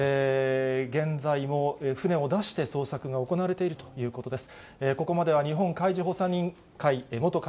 現在も船を出して捜索が行われているということです。